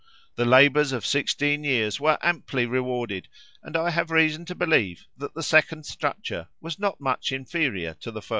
The labours of sixteen years were amply rewarded; and I have reason to believe that the second structure was not much inferior to the first."